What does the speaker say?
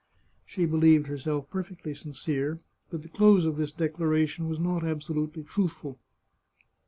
She believed herself perfectly sincere, but the close of this declaration was not absolutely truthful.